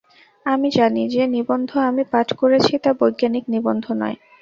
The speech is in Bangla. আমি জানি, যে নিবন্ধ আমি পাঠ করেছি তা বৈজ্ঞানিক নিবন্ধ নয়।